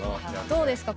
どうですか？